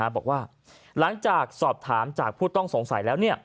บอกว่าหลังจากสอบถามจากผู้ต้องสงสัยแล้ว